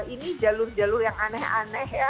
ini jalur jalur yang aneh aneh ya